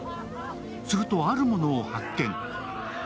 すると、あるものを発見。